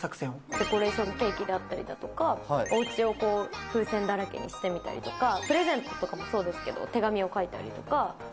デコレーションケーキだったりとか、おうちを風船だらけにして見たりとか、プレゼントとかもそうですけど、手紙を書いたりとか。